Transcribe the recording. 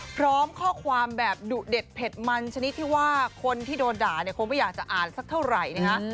พร้อมข้อความแบบดุเด็ดเผ็ดมันชนิดที่ว่าคนที่โดนด่าเนี่ยคงไม่อยากจะอ่านสักเท่าไหร่นะฮะ